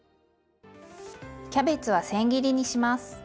キャベツはせん切りにします。